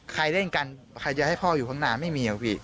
เล่นกันใครจะให้พ่ออยู่ข้างหน้าไม่มีอะพี่